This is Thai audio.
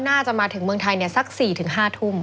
น่าจะมาถึงเมืองไทยสักสี่ถึงห้าทุ่ม